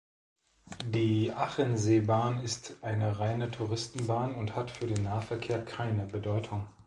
Die Achenseebahn ist eine reine Touristenbahn und hat für den Nahverkehr keine Bedeutung.